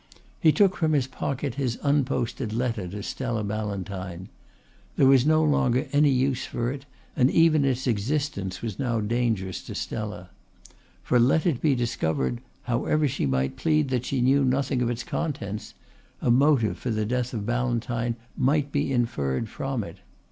He took from his pocket his unposted letter to Stella Ballantyne. There was no longer any use for it and even its existence was now dangerous to Stella. For let it be discovered, however she might plead that she knew nothing of its contents, a motive for the death of Ballantyne might be inferred from it.